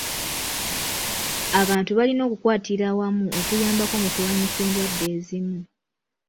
Abantu balina okukwatira awamu okuyambako mu kulwanyisa endwadde ezimu.